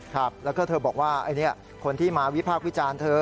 ครับแล้วก็เธอบอกว่าคนที่มาวิพากษ์วิจารณ์เธอ